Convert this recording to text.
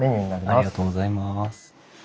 ありがとうございます。